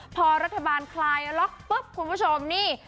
พอรัฐบาลคลายล็อกปุ๊บคุณผู้ชมนี่